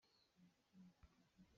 Catlang pakhat ṭial tuah.